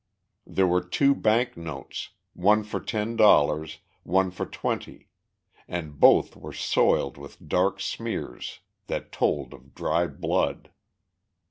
There were two bank notes, one for ten dollars, one for twenty, and both were soiled with dark smears that told of dry blood.